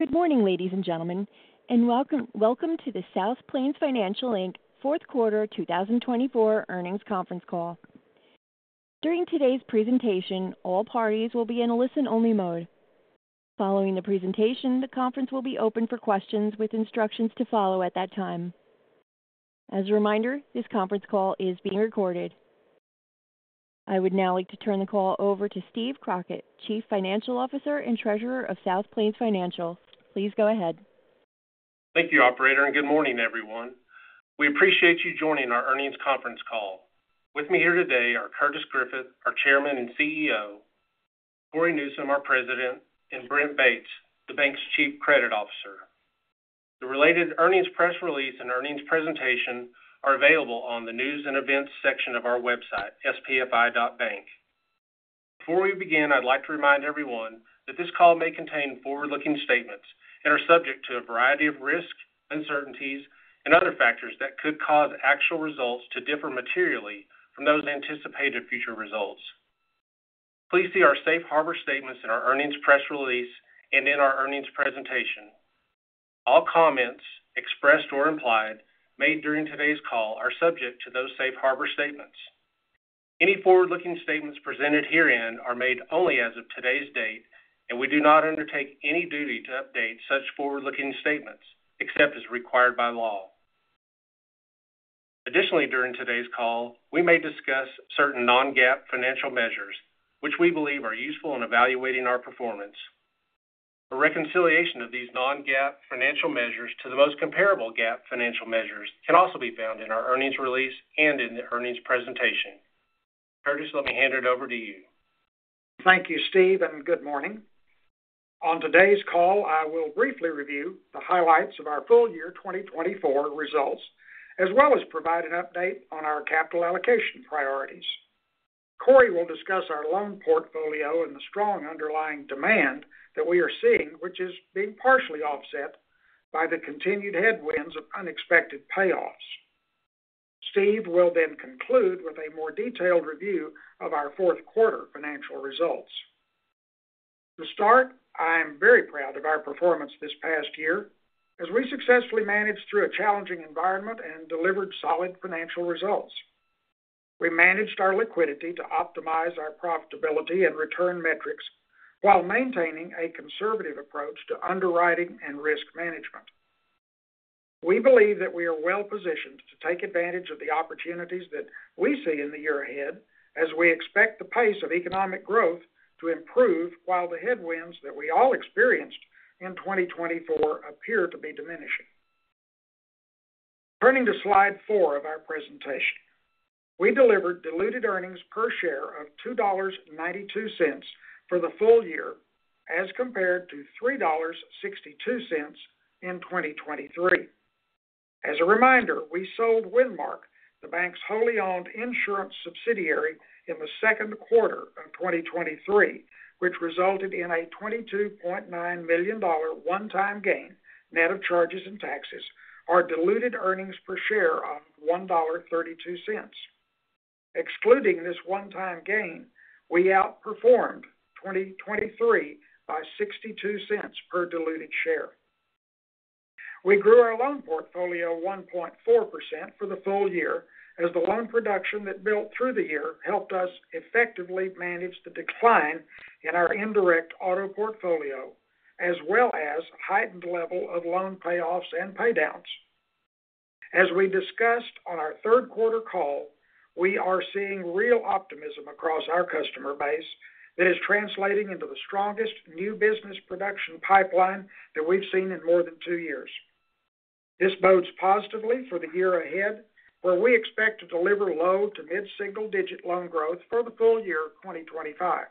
Good morning, ladies and gentlemen, and welcome, welcome to the South Plains Financial Inc fourth quarter 2024 earnings conference call. During today's presentation, all parties will be in a listen-only mode. Following the presentation, the conference will be open for questions with instructions to follow at that time. As a reminder, this conference call is being recorded. I would now like to turn the call over to Steve Crockett, Chief Financial Officer and Treasurer of South Plains Financial. Please go ahead. Thank you, Operator, and good morning, everyone. We appreciate you joining our earnings conference call. With me here today are Curtis Griffith, our Chairman and CEO, Cory Newsom, our President, and Brent Bates, the bank's Chief Credit Officer. The related earnings press release and earnings presentation are available on the News and Events section of our website, spfi.bank. Before we begin, I'd like to remind everyone that this call may contain forward-looking statements and are subject to a variety of risk, uncertainties, and other factors that could cause actual results to differ materially from those anticipated future results. Please see our Safe Harbor Statements in our Earnings Press Release and in our Earnings Presentation. All comments, expressed or implied, made during today's call are subject to those Safe Harbor Statements. Any forward-looking statements presented herein are made only as of today's date, and we do not undertake any duty to update such forward-looking statements except as required by law. Additionally, during today's call, we may discuss certain non-GAAP financial measures, which we believe are useful in evaluating our performance. A reconciliation of these non-GAAP financial measures to the most comparable GAAP financial measures can also be found in our Earnings Release and in the Earnings Presentation. Curtis, let me hand it over to you. Thank you, Steve, and good morning. On today's call, I will briefly review the highlights of our full year 2024 results, as well as provide an update on our capital allocation priorities. Cory will discuss our loan portfolio and the strong underlying demand that we are seeing, which is being partially offset by the continued headwinds of unexpected payoffs. Steve will then conclude with a more detailed review of our fourth quarter financial results. To start, I am very proud of our performance this past year as we successfully managed through a challenging environment and delivered solid financial results. We managed our liquidity to optimize our profitability and return metrics while maintaining a conservative approach to underwriting and risk management. We believe that we are well-positioned to take advantage of the opportunities that we see in the year ahead as we expect the pace of economic growth to improve while the headwinds that we all experienced in 2024 appear to be diminishing. Turning to slide four of our presentation, we delivered diluted earnings per share of $2.92 for the full year as compared to $3.62 in 2023. As a reminder, we sold Windmark, the bank's wholly-owned insurance subsidiary, in the second quarter of 2023, which resulted in a $22.9 million one-time gain net of charges and taxes, our diluted earnings per share of $1.32. Excluding this one-time gain, we outperformed 2023 by $0.62 per diluted share. We grew our loan portfolio 1.4% for the full year as the loan production that built through the year helped us effectively manage the decline in our indirect auto portfolio, as well as a heightened level of loan payoffs and paydowns. As we discussed on our third quarter call, we are seeing real optimism across our customer base that is translating into the strongest new business production pipeline that we've seen in more than two years. This bodes positively for the year ahead, where we expect to deliver low to mid-single-digit loan growth for the full year 2025.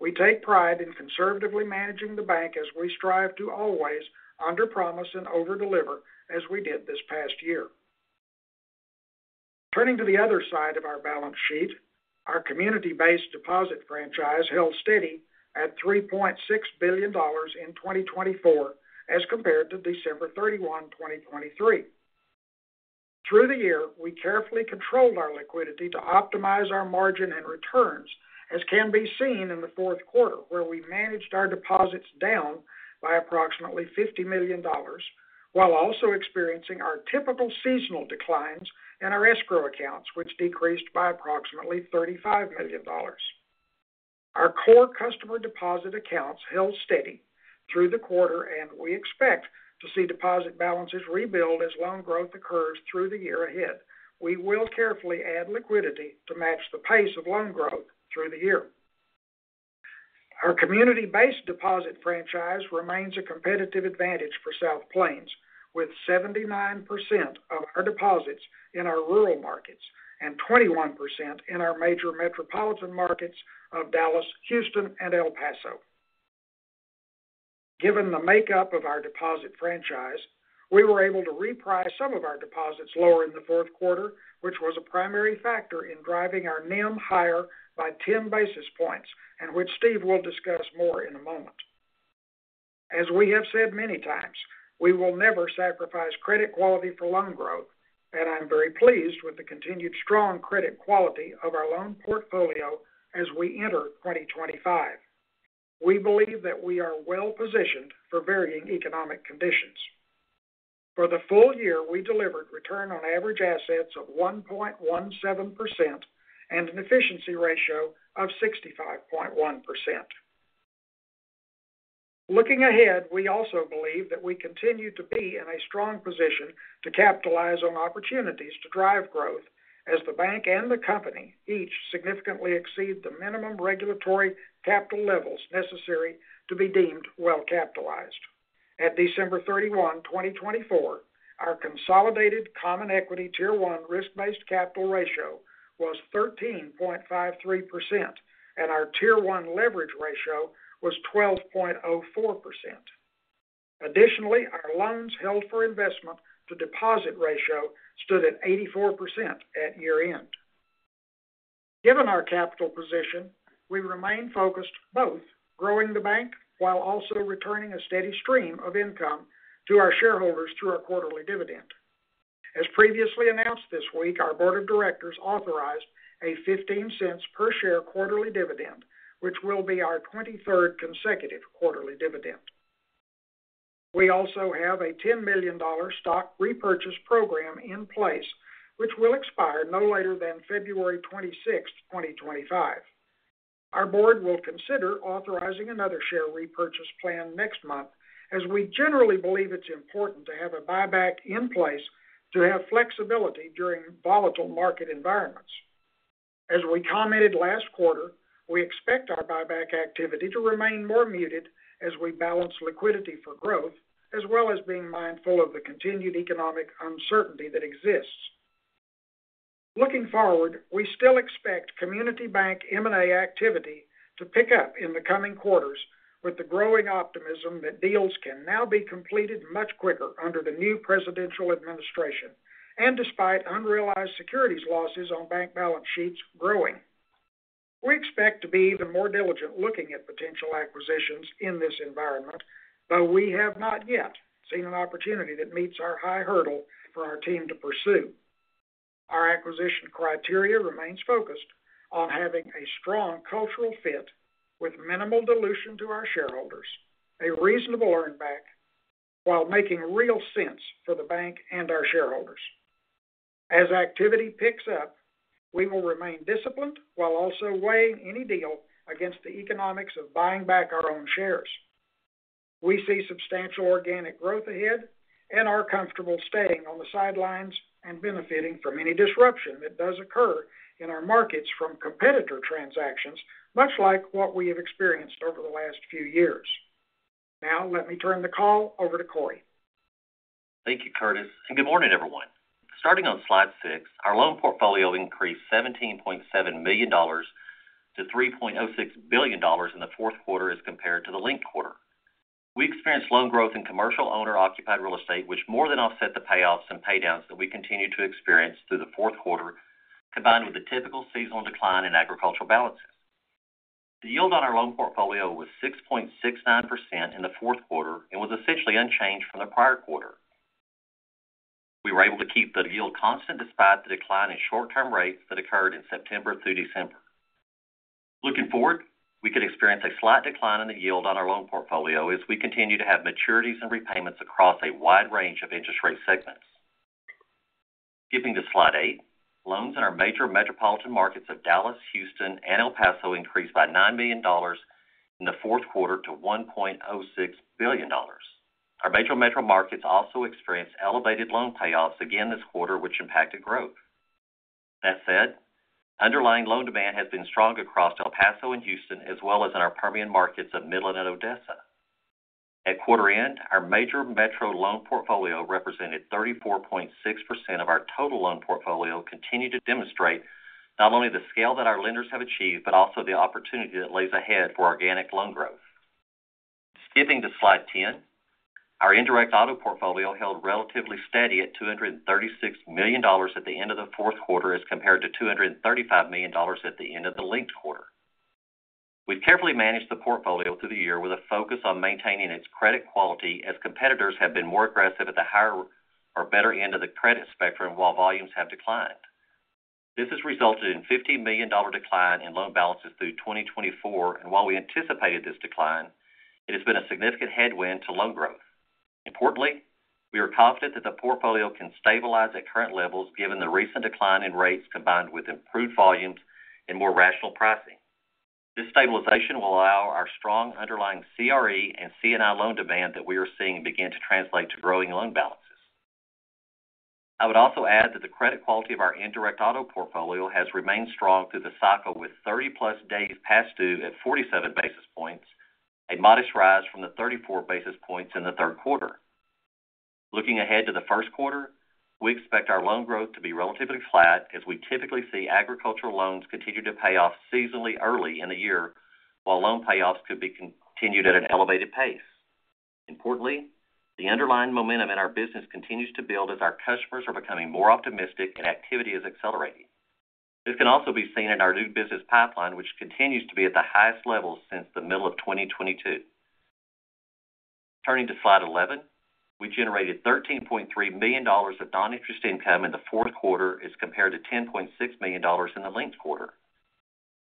We take pride in conservatively managing the bank as we strive to always under-promise and over-deliver as we did this past year. Turning to the other side of our balance sheet, our community-based deposit franchise held steady at $3.6 billion in 2024 as compared to December 31, 2023. Through the year, we carefully controlled our liquidity to optimize our margin and returns, as can be seen in the fourth quarter, where we managed our deposits down by approximately $50 million, while also experiencing our typical seasonal declines in our escrow accounts, which decreased by approximately $35 million. Our core customer deposit accounts held steady through the quarter, and we expect to see deposit balances rebuild as loan growth occurs through the year ahead. We will carefully add liquidity to match the pace of loan growth through the year. Our community-based deposit franchise remains a competitive advantage for South Plains, with 79% of our deposits in our rural markets and 21% in our major metropolitan markets of Dallas, Houston, and El Paso. Given the makeup of our deposit franchise, we were able to reprice some of our deposits lower in the fourth quarter, which was a primary factor in driving our NIM higher by 10 basis points, and which Steve will discuss more in a moment. As we have said many times, we will never sacrifice credit quality for loan growth, and I'm very pleased with the continued strong credit quality of our loan portfolio as we enter 2025. We believe that we are well positioned for varying economic conditions. For the full year, we delivered return on average assets of 1.17% and an efficiency ratio of 65.1%. Looking ahead, we also believe that we continue to be in a strong position to capitalize on opportunities to drive growth as the bank and the company each significantly exceed the minimum regulatory capital levels necessary to be deemed well capitalized. At December 31, 2024, our consolidated common equity Tier 1 risk-based capital ratio was 13.53%, and our Tier 1 leverage ratio was 12.04%. Additionally, our loans held for investment to deposit ratio stood at 84% at year-end. Given our capital position, we remain focused both growing the bank while also returning a steady stream of income to our shareholders through our quarterly dividend. As previously announced this week, our Board of Directors authorized a $0.15 per share quarterly dividend, which will be our 23rd consecutive quarterly dividend. We also have a $10 million stock repurchase program in place, which will expire no later than February 26, 2025. Our Board will consider authorizing another share repurchase plan next month, as we generally believe it's important to have a buyback in place to have flexibility during volatile market environments. As we commented last quarter, we expect our buyback activity to remain more muted as we balance liquidity for growth, as well as being mindful of the continued economic uncertainty that exists. Looking forward, we still expect community bank M&A activity to pick up in the coming quarters, with the growing optimism that deals can now be completed much quicker under the new presidential administration and despite unrealized securities losses on bank balance sheets growing. We expect to be even more diligent looking at potential acquisitions in this environment, though we have not yet seen an opportunity that meets our high hurdle for our team to pursue. Our acquisition criteria remains focused on having a strong cultural fit with minimal dilution to our shareholders, a reasonable earnback, while making real sense for the bank and our shareholders. As activity picks up, we will remain disciplined while also weighing any deal against the economics of buying back our own shares. We see substantial organic growth ahead and are comfortable staying on the sidelines and benefiting from any disruption that does occur in our markets from competitor transactions, much like what we have experienced over the last few years. Now, let me turn the call over to Cory. Thank you, Curtis. Good morning, everyone. Starting on slide six, our loan portfolio increased $17.7 million to $3.06 billion in the fourth quarter as compared to the linked quarter. We experienced loan growth in commercial owner-occupied real estate, which more than offset the payoffs and paydowns that we continue to experience through the fourth quarter, combined with the typical seasonal decline in agricultural balances. The yield on our loan portfolio was 6.69% in the fourth quarter and was essentially unchanged from the prior quarter. We were able to keep the yield constant despite the decline in short-term rates that occurred in September through December. Looking forward, we could experience a slight decline in the yield on our loan portfolio as we continue to have maturities and repayments across a wide range of interest rate segments. Skipping to slide eight, loans in our major metropolitan markets of Dallas, Houston, and El Paso increased by $9 million in the fourth quarter to $1.06 billion. Our major metro markets also experienced elevated loan payoffs again this quarter, which impacted growth. That said, underlying loan demand has been strong across El Paso and Houston, as well as in our Permian markets of Midland and Odessa. At quarter end, our major metro loan portfolio represented 34.6% of our total loan portfolio, continuing to demonstrate not only the scale that our lenders have achieved, but also the opportunity that lays ahead for organic loan growth. Skipping to slide 10, our indirect auto portfolio held relatively steady at $236 million at the end of the fourth quarter as compared to $235 million at the end of the linked quarter. We've carefully managed the portfolio through the year with a focus on maintaining its credit quality as competitors have been more aggressive at the higher or better end of the credit spectrum while volumes have declined. This has resulted in a $15 million decline in loan balances through 2024, and while we anticipated this decline, it has been a significant headwind to loan growth. Importantly, we are confident that the portfolio can stabilize at current levels given the recent decline in rates combined with improved volumes and more rational pricing. This stabilization will allow our strong underlying CRE and C&I loan demand that we are seeing to begin to translate to growing loan balances. I would also add that the credit quality of our indirect auto portfolio has remained strong through the cycle with 30+ days past due at 47 basis points, a modest rise from the 34 basis points in the third quarter. Looking ahead to the first quarter, we expect our loan growth to be relatively flat as we typically see agricultural loans continue to pay off seasonally early in the year, while loan payoffs could be continued at an elevated pace. Importantly, the underlying momentum in our business continues to build as our customers are becoming more optimistic and activity is accelerating. This can also be seen in our new business pipeline, which continues to be at the highest level since the middle of 2022. Turning to slide 11, we generated $13.3 million of non-interest income in the fourth quarter as compared to $10.6 million in the linked quarter.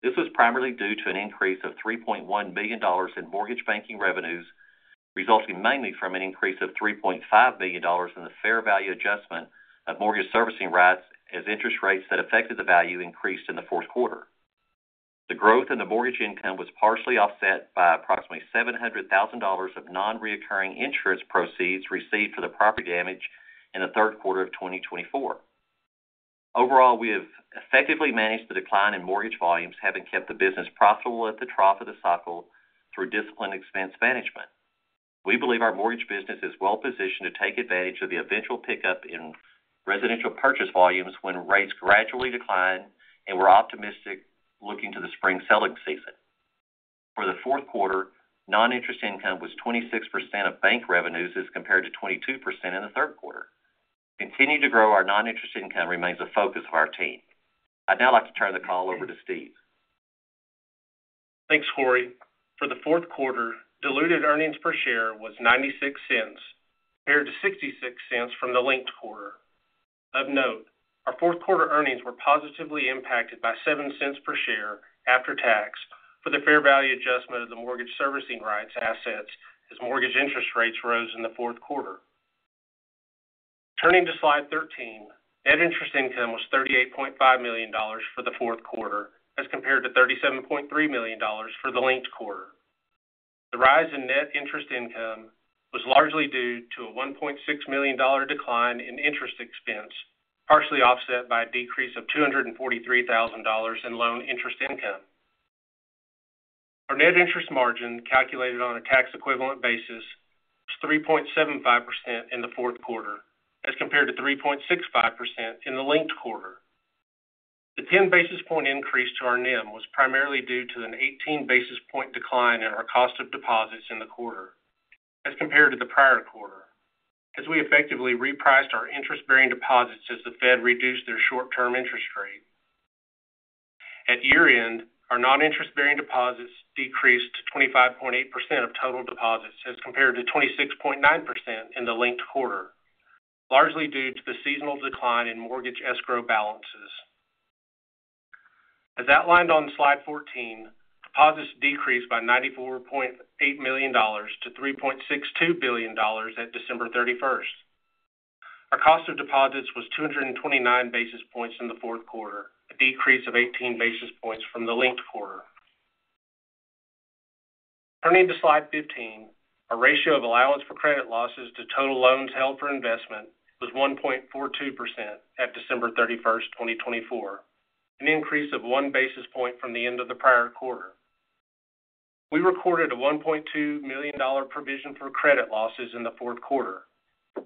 This was primarily due to an increase of $3.1 million in mortgage banking revenues, resulting mainly from an increase of $3.5 million in the fair value adjustment of mortgage servicing rights as interest rates that affected the value increased in the fourth quarter. The growth in the mortgage income was partially offset by approximately $700,000 of non-recurring insurance proceeds received for the property damage in the third quarter of 2024. Overall, we have effectively managed the decline in mortgage volumes, having kept the business profitable at the trough of the cycle through disciplined expense management. We believe our mortgage business is well positioned to take advantage of the eventual pickup in residential purchase volumes when rates gradually decline, and we're optimistic looking to the spring selling season. For the fourth quarter, non-interest income was 26% of bank revenues as compared to 22% in the third quarter. Continuing to grow our non-interest income remains a focus of our team. I'd now like to turn the call over to Steve. Thanks, Cory. For the fourth quarter, diluted earnings per share was $0.96 compared to $0.66 from the linked quarter. Of note, our fourth quarter earnings were positively impacted by $0.07 per share after tax for the fair value adjustment of the mortgage servicing rights assets as mortgage interest rates rose in the fourth quarter. Turning to slide 13, net interest income was $38.5 million for the fourth quarter as compared to $37.3 million for the linked quarter. The rise in net interest income was largely due to a $1.6 million decline in interest expense, partially offset by a decrease of $243,000 in loan interest income. Our net interest margin, calculated on a tax-equivalent basis, was 3.75% in the fourth quarter as compared to 3.65% in the linked quarter. The 10 basis point increase to our NIM was primarily due to an 18 basis point decline in our cost of deposits in the quarter as compared to the prior quarter, as we effectively repriced our interest-bearing deposits as the Fed reduced their short-term interest rate. At year-end, our non-interest-bearing deposits decreased to 25.8% of total deposits as compared to 26.9% in the linked quarter, largely due to the seasonal decline in mortgage escrow balances. As outlined on slide 14, deposits decreased by $94.8 million to $3.62 billion at December 31st. Our cost of deposits was 229 basis points in the fourth quarter, a decrease of 18 basis points from the linked quarter. Turning to slide 15, our ratio of allowance for credit losses to total loans held for investment was 1.42% at December 31st, 2024, an increase of one basis point from the end of the prior quarter. We recorded a $1.2 million provision for credit losses in the fourth quarter,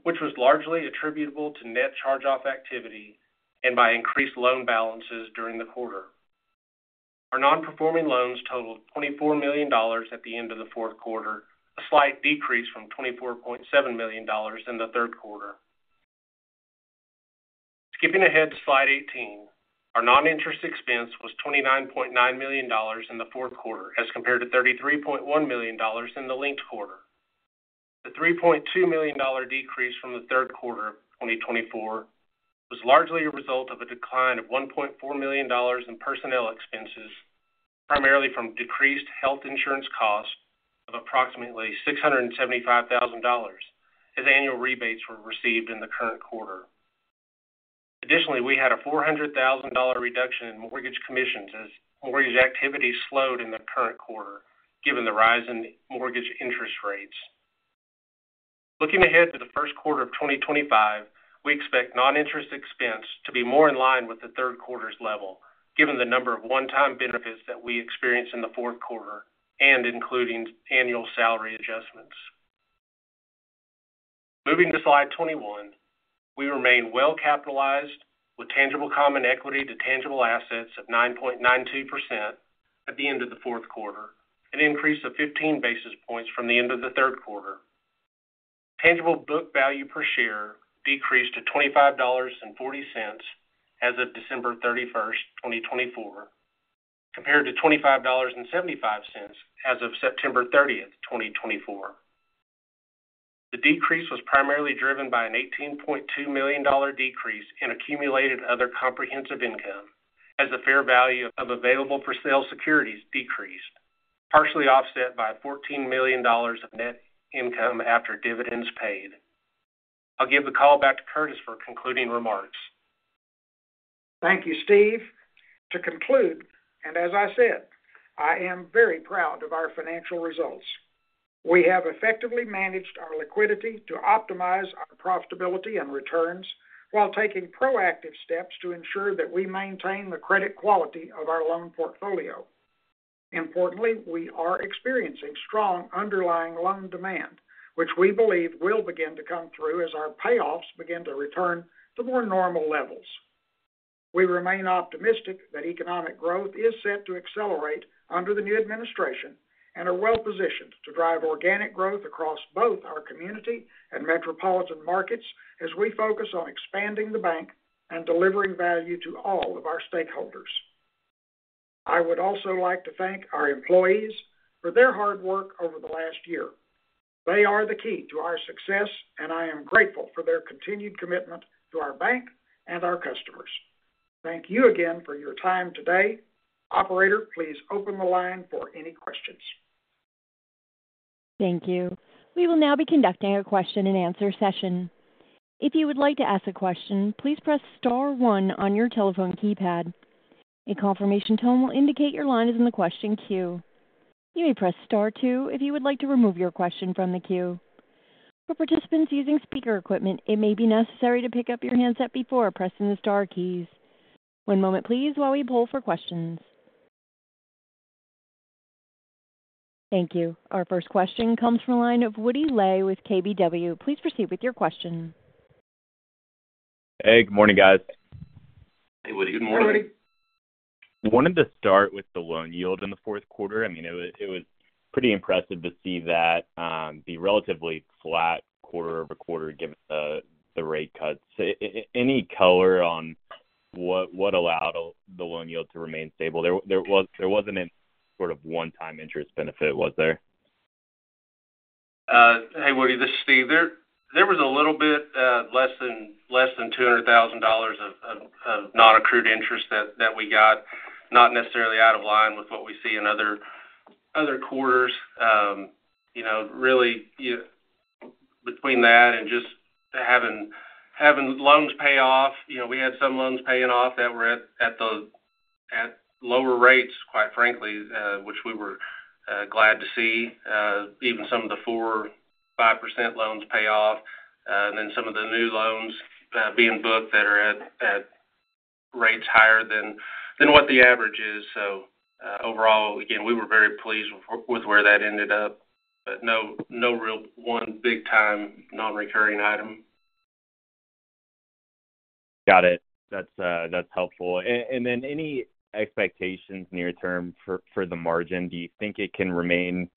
which was largely attributable to net charge-off activity and by increased loan balances during the quarter. Our non-performing loans totaled $24 million at the end of the fourth quarter, a slight decrease from $24.7 million in the third quarter. Skipping ahead to slide 18, our non-interest expense was $29.9 million in the fourth quarter as compared to $33.1 million in the linked quarter. The $3.2 million decrease from the third quarter of 2024 was largely a result of a decline of $1.4 million in personnel expenses, primarily from decreased health insurance costs of approximately $675,000 as annual rebates were received in the current quarter. Additionally, we had a $400,000 reduction in mortgage commissions as mortgage activity slowed in the current quarter, given the rise in mortgage interest rates. Looking ahead to the first quarter of 2025, we expect non-interest expense to be more in line with the third quarter's level, given the number of one-time benefits that we experienced in the fourth quarter and including annual salary adjustments. Moving to slide 21, we remain well capitalized with tangible common equity to tangible assets of 9.92% at the end of the fourth quarter, an increase of 15 basis points from the end of the third quarter. Tangible book value per share decreased to $25.40 as of December 31st, 2024, compared to $25.75 as of September 30th, 2024. The decrease was primarily driven by an $18.2 million decrease in accumulated other comprehensive income as the fair value of available for sale securities decreased, partially offset by $14 million of net income after dividends paid. I'll give the call back to Curtis for concluding remarks. Thank you, Steve. To conclude, and as I said, I am very proud of our financial results. We have effectively managed our liquidity to optimize our profitability and returns while taking proactive steps to ensure that we maintain the credit quality of our loan portfolio. Importantly, we are experiencing strong underlying loan demand, which we believe will begin to come through as our payoffs begin to return to more normal levels. We remain optimistic that economic growth is set to accelerate under the new administration and are well positioned to drive organic growth across both our community and metropolitan markets as we focus on expanding the bank and delivering value to all of our stakeholders. I would also like to thank our employees for their hard work over the last year. They are the key to our success, and I am grateful for their continued commitment to our bank and our customers. Thank you again for your time today. Operator, please open the line for any questions. Thank you. We will now be conducting a question-and-answer session. If you would like to ask a question, please press star one on your telephone keypad. A confirmation tone will indicate your line is in the question queue. You may press star two if you would like to remove your question from the queue. For participants using speaker equipment, it may be necessary to pick up your handset before pressing the star keys. One moment, please, while we pull for questions. Thank you. Our first question comes from a line of Woody Lay with KBW. Please proceed with your question. Hey, good morning, guys. Hey, Woody. Good morning. Wanted to start with the loan yield in the fourth quarter. I mean, it was pretty impressive to see that the relatively flat quarter-over-quarter given the rate cuts. Any color on what allowed the loan yield to remain stable? There wasn't any sort of one-time interest benefit, was there? Hey, Woody, this is Steve. There was a little bit less than $200,000 of non-accrued interest that we got, not necessarily out of line with what we see in other quarters. Really, between that and just having loans pay off, we had some loans paying off that were at lower rates, quite frankly, which we were glad to see, even some of the 4%, 5% loans pay off, and then some of the new loans being booked that are at rates higher than what the average is. So overall, again, we were very pleased with where that ended up, but no real one big-time non-recurring item. Got it. That's helpful. And then any expectations near-term for the margin? Do you think it can remain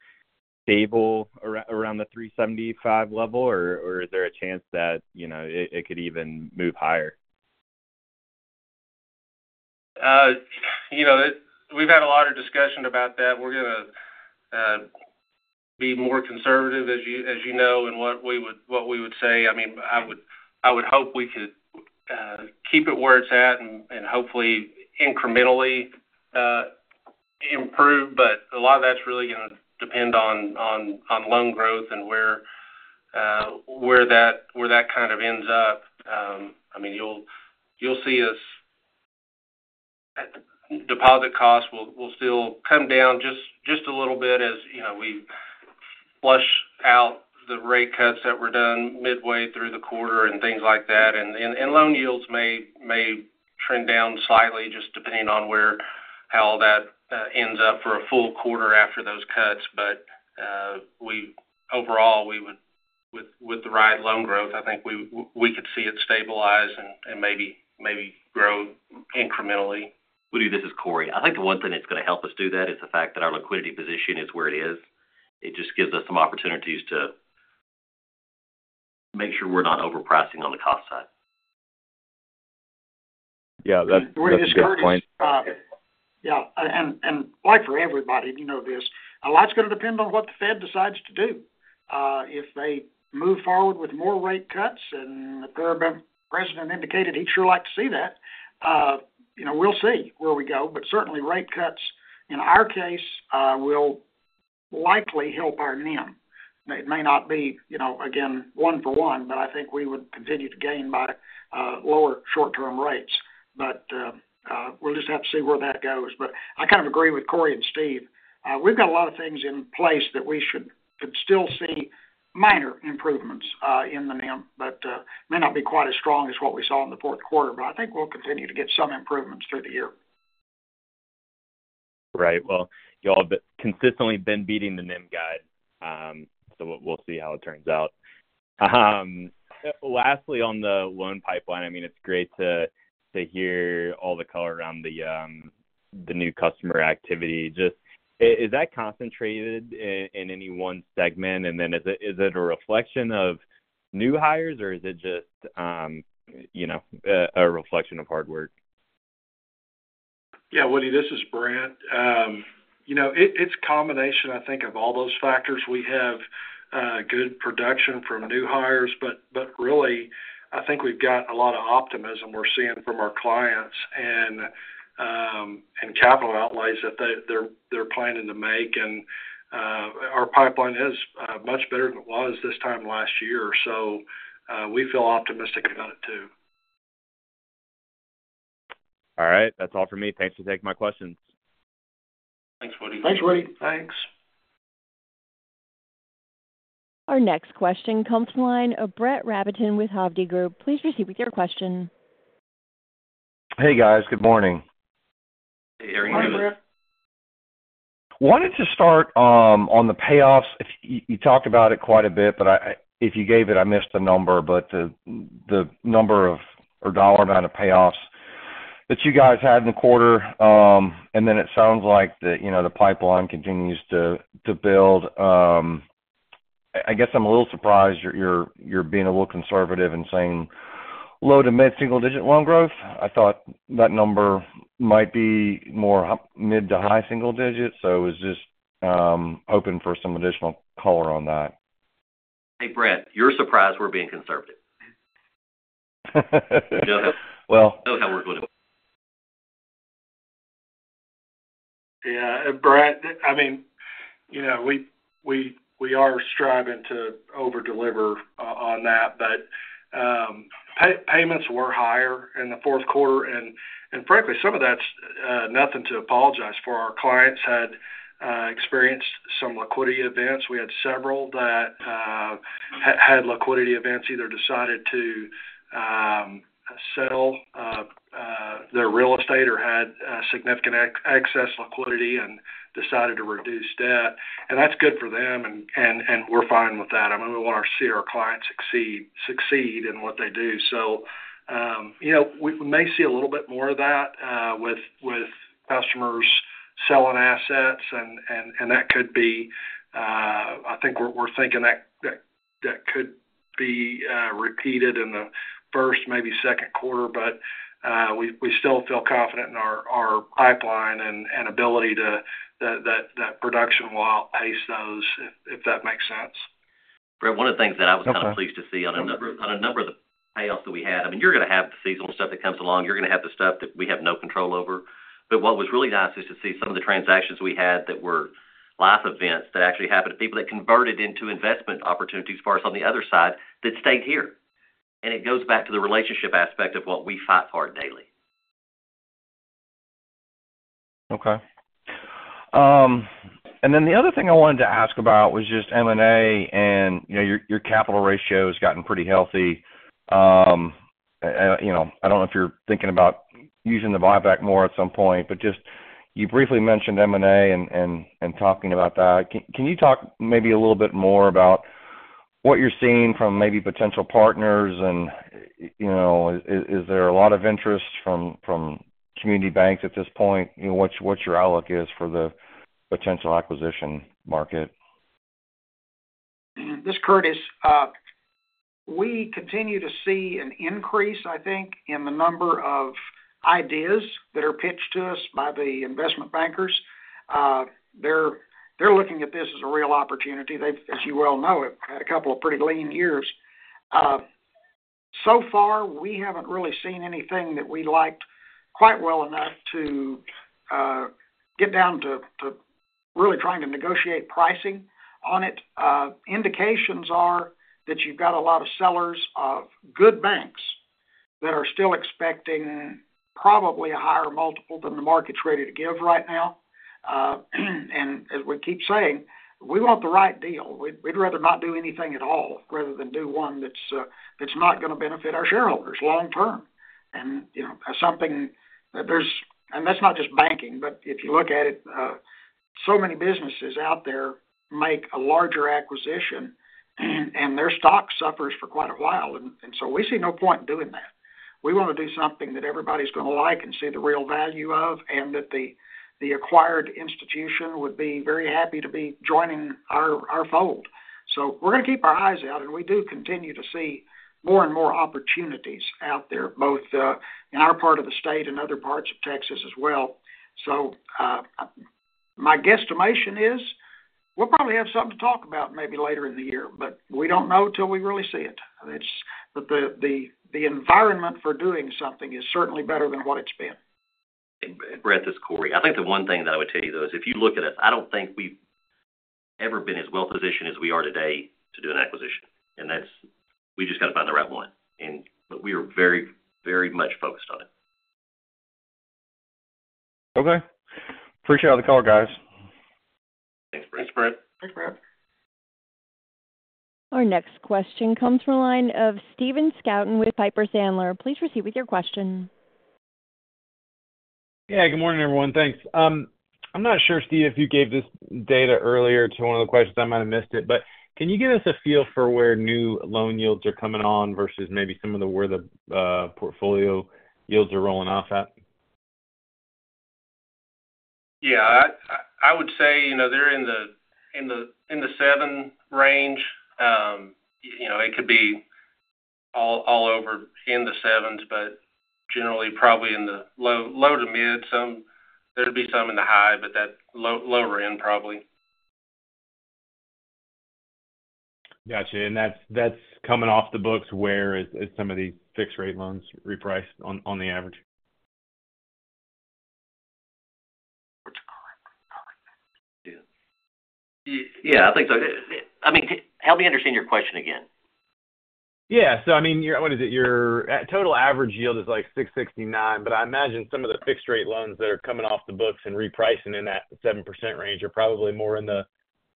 stable around the 375 level, or is there a chance that it could even move higher? We've had a lot of discussion about that. We're going to be more conservative, as you know, in what we would say. I mean, I would hope we could keep it where it's at and hopefully incrementally improve, but a lot of that's really going to depend on loan growth and where that kind of ends up. I mean, you'll see our deposit costs will still come down just a little bit as we flush out the rate cuts that were done midway through the quarter and things like that. And loan yields may trend down slightly just depending on how all that ends up for a full quarter after those cuts. But overall, with the right loan growth, I think we could see it stabilize and maybe grow incrementally. Woody, this is Cory. I think the one thing that's going to help us do that is the fact that our liquidity position is where it is. It just gives us some opportunities to make sure we're not overpricing on the cost side. Yeah. Yeah. And like for everybody, you know this, a lot's going to depend on what the Fed decides to do. If they move forward with more rate cuts, and the current president indicated he'd sure like to see that, we'll see where we go. But certainly, rate cuts in our case will likely help our NIM. It may not be, again, one for one, but I think we would continue to gain by lower short-term rates. But we'll just have to see where that goes. But I kind of agree with Cory and Steve. We've got a lot of things in place that we should still see minor improvements in the NIM, but may not be quite as strong as what we saw in the fourth quarter. But I think we'll continue to get some improvements through the year. Right. Well, y'all have consistently been beating the NIM guide, so we'll see how it turns out. Lastly, on the loan pipeline, I mean, it's great to hear all the color around the new customer activity. Just is that concentrated in any one segment? And then is it a reflection of new hires, or is it just a reflection of hard work? Yeah, Woody, this is Brent. It's a combination, I think, of all those factors. We have good production from new hires, but really, I think we've got a lot of optimism we're seeing from our clients and capital outlays that they're planning to make, and our pipeline is much better than it was this time last year, so we feel optimistic about it too. All right. That's all for me. Thanks for taking my questions. Thanks, Woody. Thanks, Woody. Thanks. Our next question comes from a line of Brett Rabatin with Hovde Group. Please proceed with your question. Hey, guys. Good morning. Hey, Brett. Hi, Brett. Wanted to start on the payoffs. You talked about it quite a bit, but if you gave it, I missed a number, but the number of or dollar amount of payoffs that you guys had in the quarter. And then it sounds like the pipeline continues to build. I guess I'm a little surprised you're being a little conservative and saying low- to mid-single-digit loan growth. I thought that number might be more mid- to high-single-digit, so I was just hoping for some additional color on that. Hey, Brett, you're surprised we're being conservative? Well. That was how we're going to. Yeah. Brett, I mean, we are striving to overdeliver on that, but payments were higher in the fourth quarter. And frankly, some of that's nothing to apologize for. Our clients had experienced some liquidity events. We had several that had liquidity events, either decided to sell their real estate or had significant excess liquidity and decided to reduce debt. And that's good for them, and we're fine with that. I mean, we want to see our clients succeed in what they do. So we may see a little bit more of that with customers selling assets, and that could be, I think we're thinking that could be repeated in the first, maybe second quarter. But we still feel confident in our pipeline and ability to, that production will outpace those, if that makes sense. Brett, one of the things that I was kind of pleased to see on a number of the payoffs that we had. I mean, you're going to have the seasonal stuff that comes along. You're going to have the stuff that we have no control over. But what was really nice is to see some of the transactions we had that were life events that actually happened to people that converted into investment opportunities for us on the other side that stayed here. And it goes back to the relationship aspect of what we fight for daily. Okay. And then the other thing I wanted to ask about was just M&A, and your capital ratio has gotten pretty healthy. I don't know if you're thinking about using the buyback more at some point, but just you briefly mentioned M&A and talking about that. Can you talk maybe a little bit more about what you're seeing from maybe potential partners? And is there a lot of interest from community banks at this point? What's your outlook for the potential acquisition market? This is Curtis. We continue to see an increase, I think, in the number of ideas that are pitched to us by the investment bankers. They're looking at this as a real opportunity. They, as you well know, have had a couple of pretty lean years. So far, we haven't really seen anything that we liked quite well enough to get down to really trying to negotiate pricing on it. Indications are that you've got a lot of sellers of good banks that are still expecting probably a higher multiple than the market's ready to give right now. And as we keep saying, we want the right deal. We'd rather not do anything at all rather than do one that's not going to benefit our shareholders long-term. And something that there's, and that's not just banking, but if you look at it, so many businesses out there make a larger acquisition, and their stock suffers for quite a while. And so we see no point in doing that. We want to do something that everybody's going to like and see the real value of, and that the acquired institution would be very happy to be joining our fold. So we're going to keep our eyes out, and we do continue to see more and more opportunities out there, both in our part of the state and other parts of Texas as well. So my guesstimation is we'll probably have something to talk about maybe later in the year, but we don't know until we really see it. The environment for doing something is certainly better than what it's been. Brett, this is Cory. I think the one thing that I would tell you, though, is if you look at us, I don't think we've ever been as well-positioned as we are today to do an acquisition. And we just got to find the right one. And we are very, very much focused on it. Okay. Appreciate all the color, guys. Thanks, Brent. Thanks, Brett. Our next question comes from a line of Stephen Scouten with Piper Sandler. Please proceed with your question. Hey, good morning, everyone. Thanks. I'm not sure, Steve, if you gave this data earlier to one of the questions. I might have missed it, but can you give us a feel for where new loan yields are coming on versus maybe some of the portfolio yields are rolling off at? Yeah. I would say they're in the 7 range. It could be all over in the 7s, but generally, probably in the low to mid. There'd be some in the high, but that lower end probably. Gotcha. And that's coming off the books where some of these fixed-rate loans reprice on the average? Yeah, I think so. I mean, help me understand your question again. Yeah. So I mean, what is it? Your total average yield is like 669, but I imagine some of the fixed-rate loans that are coming off the books and repricing in that 7% range are probably more in the,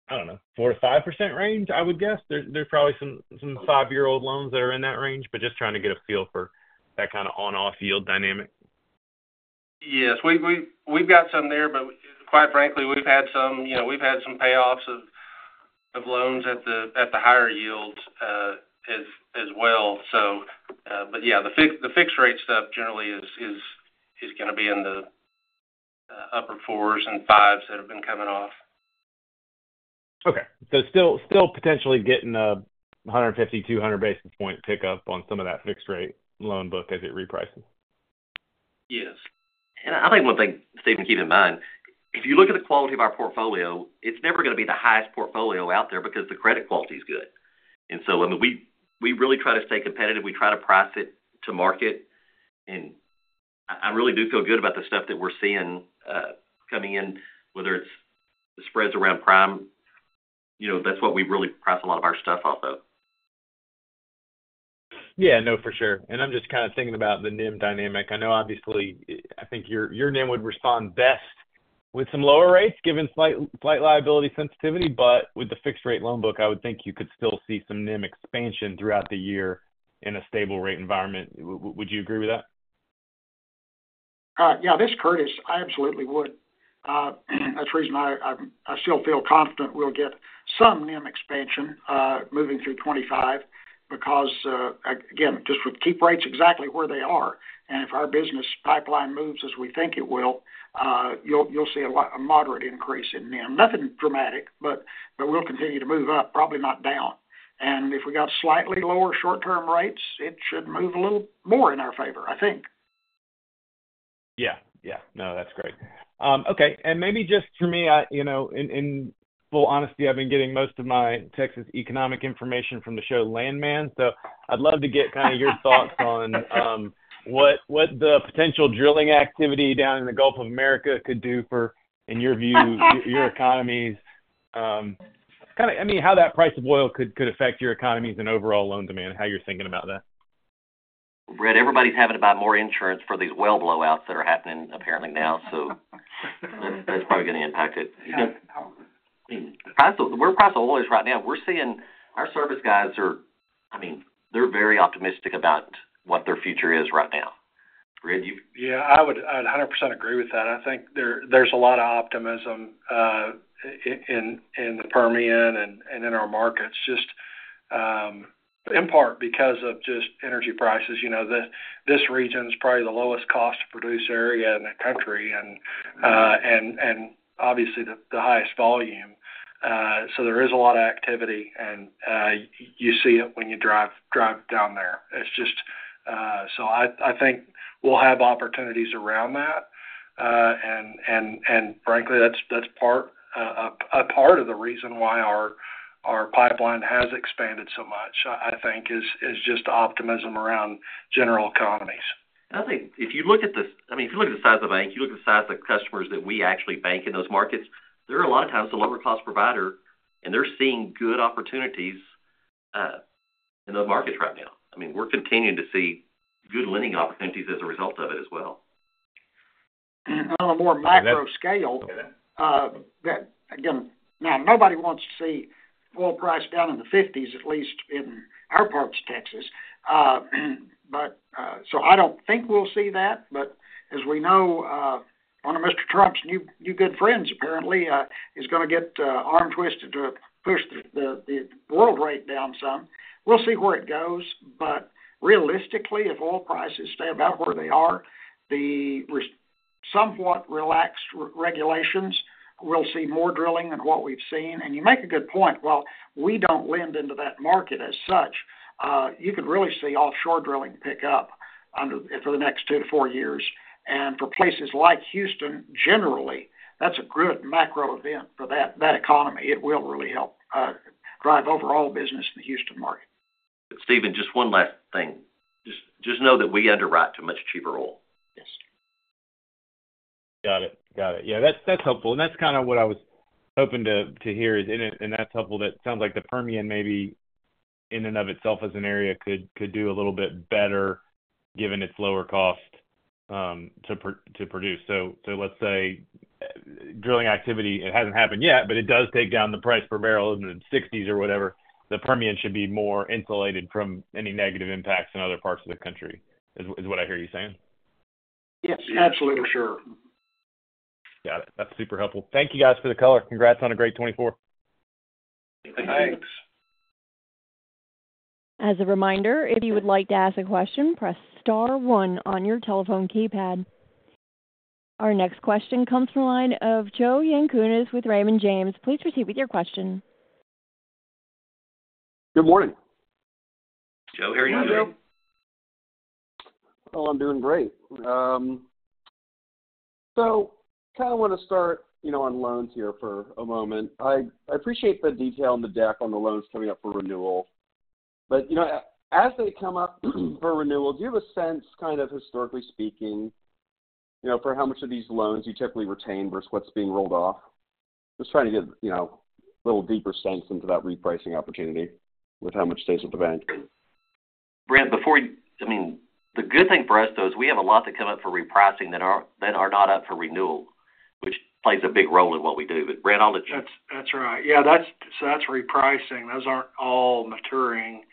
I don't know, 4%-5% range, I would guess. There's probably some five-year-old loans that are in that range, but just trying to get a feel for that kind of on-off yield dynamic. Yes. We've got some there, but quite frankly, we've had some payoffs of loans at the higher yields as well. But yeah, the fixed-rate stuff generally is going to be in the upper 4s and 5s that have been coming off. Okay, so still potentially getting a 150-200 basis point pickup on some of that fixed-rate loan book as it reprices? Yes. And I think one thing, Stephen, keep in mind, if you look at the quality of our portfolio, it's never going to be the highest portfolio out there because the credit quality is good, and so, I mean, we really try to stay competitive. We try to price it to market, and I really do feel good about the stuff that we're seeing coming in, whether it's the spreads around prime. That's what we really price a lot of our stuff off of. Yeah, no, for sure. And I'm just kind of thinking about the NIM dynamic. I know, obviously, I think your NIM would respond best with some lower rates given slight liability sensitivity. But with the fixed-rate loan book, I would think you could still see some NIM expansion throughout the year in a stable rate environment. Would you agree with that? Yeah. This is Curtis. I absolutely would. That's the reason I still feel confident we'll get some NIM expansion moving through 2025 because, again, just keep rates exactly where they are. And if our business pipeline moves as we think it will, you'll see a moderate increase in NIM. Nothing dramatic, but we'll continue to move up, probably not down. And if we got slightly lower short-term rates, it should move a little more in our favor, I think. Yeah. Yeah. No, that's great. Okay. And maybe just for me, in full honesty, I've been getting most of my Texas economic information from the show, Landman. So I'd love to get kind of your thoughts on what the potential drilling activity down in the Gulf of America could do for, in your view, your economies. I mean, how that price of oil could affect your economies and overall loan demand, how you're thinking about that. Everybody's having to buy more insurance for these well blowouts that are happening apparently now, so that's probably going to impact it. We're pricing oil right now. Our service guys are, I mean, they're very optimistic about what their future is right now. Brent, you? Yeah. I would 100% agree with that. I think there's a lot of optimism in the Permian and in our markets, just in part because of just energy prices. This region is probably the lowest cost-to-produce area in the country and, obviously, the highest volume. So there is a lot of activity, and you see it when you drive down there. So I think we'll have opportunities around that. And frankly, that's a part of the reason why our pipeline has expanded so much, I think, is just optimism around general economies. I think—I mean, if you look at the size of the bank, you look at the size of the customers that we actually bank in those markets, there are a lot of times the lower-cost provider, and they're seeing good opportunities in those markets right now. I mean, we're continuing to see good lending opportunities as a result of it as well. On a more macro scale, again, now, nobody wants to see oil price down in the 50s, at least in our parts of Texas. So I don't think we'll see that. But as we know, one of Mr. Trump's new good friends apparently is going to get arm-twisted to push the world rate down some. We'll see where it goes. But realistically, if oil prices stay about where they are, the somewhat relaxed regulations, we'll see more drilling than what we've seen. And you make a good point. While we don't lend into that market as such, you could really see offshore drilling pick up for the next two to four years. And for places like Houston, generally, that's a good macro event for that economy. It will really help drive overall business in the Houston market. Stephen, just one last thing. Just know that we underwrite to a much cheaper oil. Got it. Got it. Yeah. That's helpful, and that's kind of what I was hoping to hear is, and that's helpful that it sounds like the Permian maybe in and of itself as an area could do a little bit better given its lower cost to produce, so let's say drilling activity, it hasn't happened yet, but it does take down the price per barrel in the $60s or whatever. The Permian should be more insulated from any negative impacts in other parts of the country is what I hear you saying? Yes. Absolutely. For sure. Got it. That's super helpful. Thank you, guys, for the color. Congrats on a great 2024. Thank you. Thanks. As a reminder, if you would like to ask a question, press star one on your telephone keypad. Our next question comes from a line of Joe Yanchunis with Raymond James. Please proceed with your question. Good morning. Joe, how are you doing? I'm good. Well, I'm doing great. So kind of want to start on loans here for a moment. I appreciate the detail in the deck on the loans coming up for renewal. But as they come up for renewal, do you have a sense, kind of historically speaking, for how much of these loans you typically retain versus what's being rolled off? Just trying to get a little deeper sense into that repricing opportunity with how much stays with the bank. Brent, before you, I mean, the good thing for us, though, is we have a lot that come up for repricing that are not up for renewal, which plays a big role in what we do. But Brent, all that. That's right. Yeah. So that's repricing. Those aren't all maturing.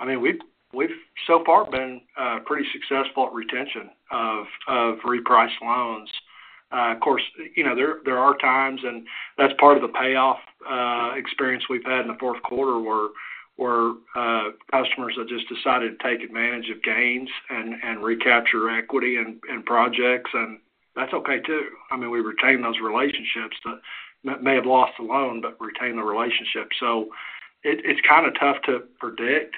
I mean, we've so far been pretty successful at retention of repriced loans. Of course, there are times, and that's part of the payoff experience we've had in the fourth quarter where customers have just decided to take advantage of gains and recapture equity and projects. And that's okay too. I mean, we retain those relationships that may have lost the loan but retain the relationship. So it's kind of tough to predict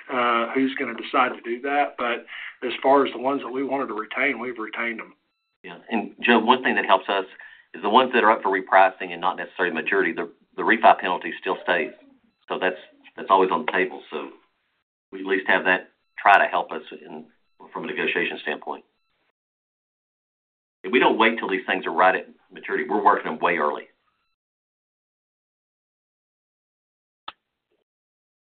who's going to decide to do that. But as far as the ones that we wanted to retain, we've retained them. Yeah. And Joe, one thing that helps us is the ones that are up for repricing and not necessarily maturity. The refi penalty still stays. So that's always on the table. So we at least have that try to help us from a negotiation standpoint. If we don't wait till these things are right at maturity, we're working them way early.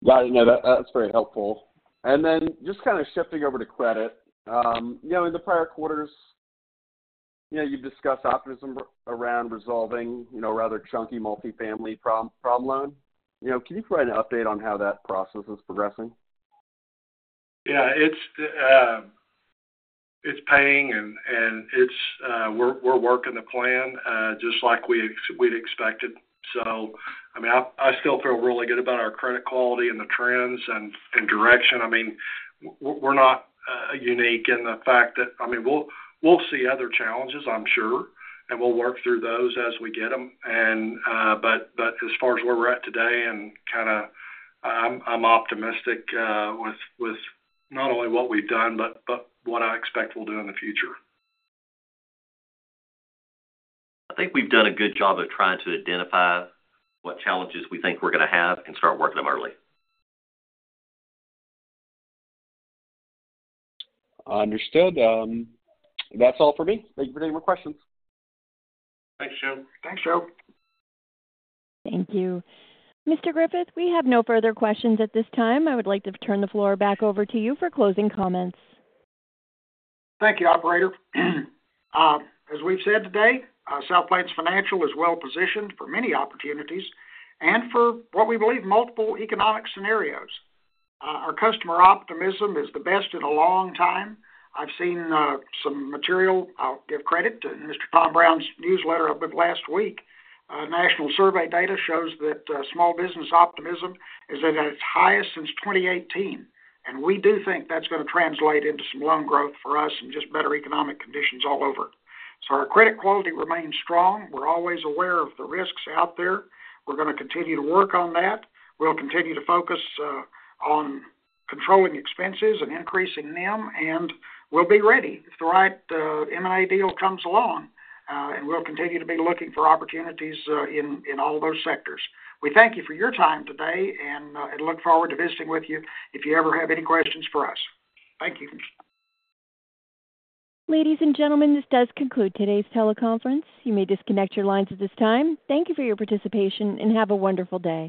Got it. No, that's very helpful. And then just kind of shifting over to credit, in the prior quarters, you've discussed optimism around resolving a rather chunky multifamily problem loan. Can you provide an update on how that process is progressing? Yeah. It's paying, and we're working the plan just like we'd expected. So I mean, I still feel really good about our credit quality and the trends and direction. I mean, we're not unique in the fact that I mean, we'll see other challenges, I'm sure, and we'll work through those as we get them. But as far as where we're at today, I'm optimistic with not only what we've done, but what I expect we'll do in the future. I think we've done a good job of trying to identify what challenges we think we're going to have and start working them early. Understood. That's all for me. Thank you for taking my questions. Thanks, Joe. Thanks, Joe. Thank you. Mr. Griffith, we have no further questions at this time. I would like to turn the floor back over to you for closing comments. Thank you, Operator. As we've said today, South Plains Financial is well-positioned for many opportunities and for what we believe multiple economic scenarios. Our customer optimism is the best in a long time. I've seen some material. I'll give credit to Mr. Tom Brown's newsletter a bit last week. National survey data shows that small business optimism is at its highest since 2018. We do think that's going to translate into some loan growth for us and just better economic conditions all over. Our credit quality remains strong. We're always aware of the risks out there. We're going to continue to work on that. We'll continue to focus on controlling expenses and increasing NIM, and we'll be ready if the right M&A deal comes along. We'll continue to be looking for opportunities in all those sectors. We thank you for your time today and look forward to visiting with you if you ever have any questions for us. Thank you. Ladies and gentlemen, this does conclude today's teleconference. You may disconnect your lines at this time. Thank you for your participation and have a wonderful day.